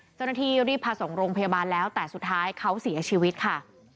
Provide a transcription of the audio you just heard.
เจ้าหน้าที่รีบพาส่งโรงพยาบาลแล้วแต่สุดท้ายเขาเสียชีวิตค่ะ